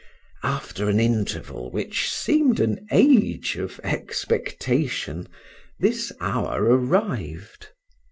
After an interval, which seemed an age of expectation, this hour arrived.